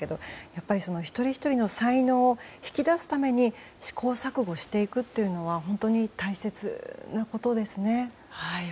やっぱり一人ひとりの才能を引き出すために試行錯誤していくというのは本当に大切なことですね。